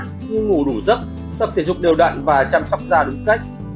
như ngủ đủ giấc tập thể dục đều đặn và chăm sóc da đúng cách